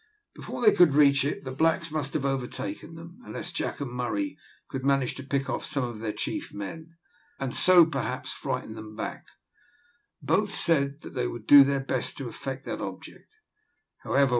Before they could reach it the blacks must have overtaken them, unless Jack and Murray could manage to pick off some of their chief men, and so perhaps frighten them back; both said that they would do their best to effect that object, however.